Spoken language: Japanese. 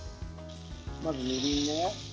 まず、みりんね。